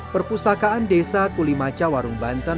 perpustakaan desa kulimaca warung banten